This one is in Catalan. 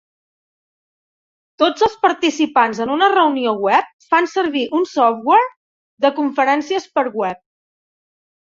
Tots els participants en una reunió web fan servir un software de conferències per web.